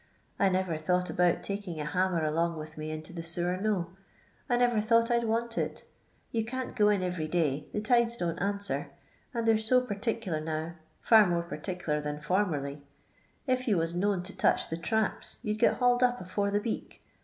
I never thought about taking a hammer along with me into the sewer, no ; I never thought I 'd want it. You can't go in every day, the tides don't answer, and they 're so pertikler now, far more pertikler than formerly ; if you was known to touch the traps, yon 'd git hauled up afore the beak.